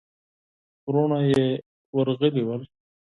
وروڼه يې ورغلي ول.